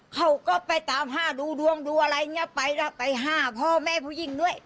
เขาก็ไปตามห้าดูดวงดูอะไรอย่างนี้ไปแล้วไปห้าพ่อแม่ผู้หญิงด้วย